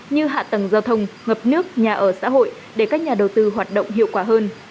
như hạ tầng giao thông ngập nước nhà ở xã hội để các nhà đầu tư hoạt động hiệu quả hơn